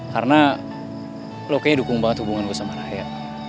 karena lo kayaknya dukung banget hubungan gue sama raya